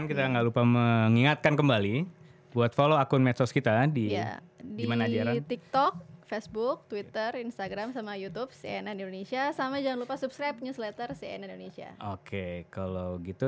kalau gitu isan dali muntahya pamit